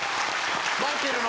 ・マイケルの？